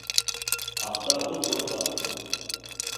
Аҫта ут урғыла, ти.